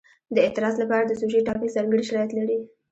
د اعتراض لپاره د سوژې ټاکل ځانګړي شرایط لري.